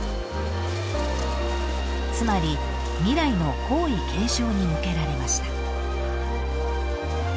［つまり未来の皇位継承に向けられました］